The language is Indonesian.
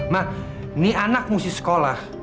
mah ini anak musik sekolah